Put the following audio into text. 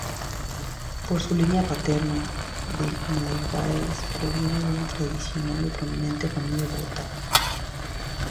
Por su línea paterna, De Narváez proviene de una tradicional y prominente familia bogotana.